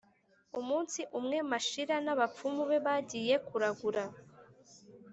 umunsi umwe, mashira n’abapfumu be bagiye kuragura